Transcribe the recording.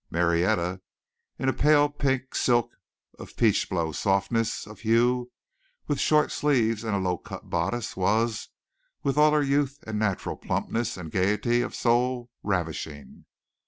Marietta, in a pale pink silk of peachblow softness of hue with short sleeves and a low cut bodice was, with all her youth and natural plumpness and gaiety of soul, ravishing.